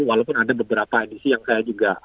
walaupun ada beberapa edisi yang saya juga